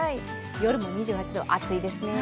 夜も２８度、暑いですね。